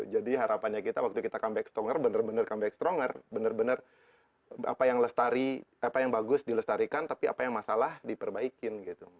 jadi harapannya kita waktu kita comeback stronger benar benar comeback stronger benar benar apa yang lestari apa yang bagus dilestarikan tapi apa yang masalah diperbaikin gitu